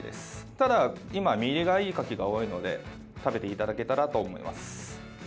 ただ、今、身入りがいいカキが多いので食べていただけたらと思います。